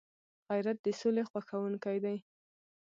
غیرت د سولي خوښونکی دی